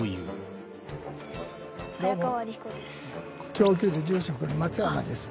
長久寺住職の松山です。